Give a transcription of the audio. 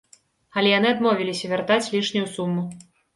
Але яны адмовіліся вяртаць лішнюю суму.